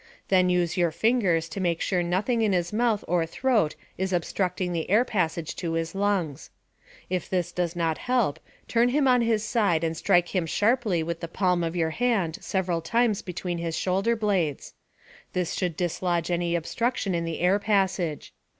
Then use your fingers to make sure nothing in his mouth or throat is obstructing the air passage to his lungs. If this does not help, turn him on his side and strike him sharply with the palm of your hand several times between his shoulder blades. This should dislodge any obstruction in the air passage.